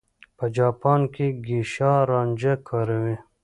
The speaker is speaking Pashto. په جاپان کې ګېشا رانجه کاروي.